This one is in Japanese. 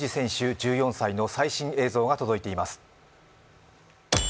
１４歳の最新映像が届いています。